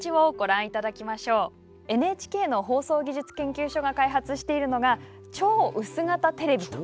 ＮＨＫの放送技術研究所が開発しているのが超薄型テレビと。